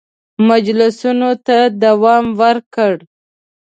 مجلسونو ته دوام ورکړ.